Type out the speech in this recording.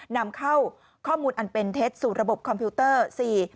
นำเข้าข้อมูลอันเป็นเท็จสู่ระบบคอมพิวเตอร์